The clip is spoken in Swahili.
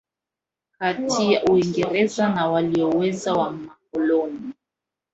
kati ya Uingereza na walowezi wa makoloni